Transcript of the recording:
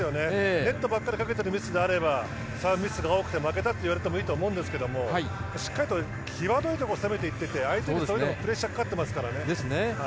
ネットばかりかけているミスであればサーブミスが多くて負けたといわれてもいいんですけどしっかりと際どいところを攻めていっていて相手にプレッシャーがかかっていますから。